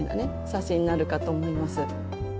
写真になるかと思います。